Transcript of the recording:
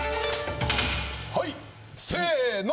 はいせの。